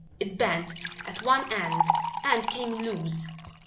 It bent at one end and came loose.